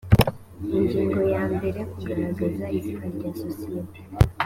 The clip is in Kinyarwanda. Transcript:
ingingo ya mbere kugaragaza izina rya sosiyete